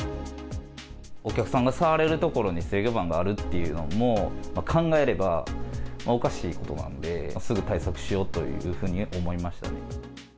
お客さんが触れる所に制御盤があるっていうのも、考えればおかしいことなんで、すぐ対策しようというふうに思いましたね。